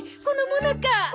このもなか。